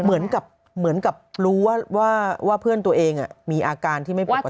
เหมือนกับเหมือนกับรู้ว่าว่าว่าเพื่อนตัวเองอ่ะมีอาการที่ไม่ปกติ